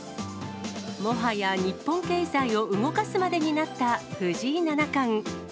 もはや日本経済を動かすまでになった藤井七冠。